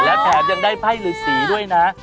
และแผ่นยังได้ไพรหรือศีลด้วยนะ